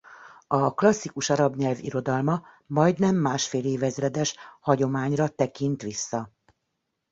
A klasszikus arab nyelv irodalma majdnem másfél évezredes hagyományra tekint vissza.